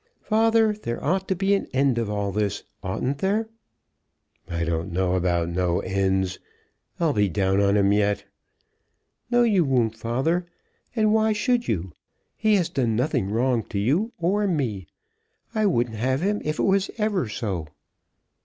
"Father, there ought to be an end of all this; oughtn't there?" "I don't know about no ends. I'll be down on him yet." "No you won't, father. And why should you? He has done nothing wrong to you or me. I wouldn't have him if it was ever so."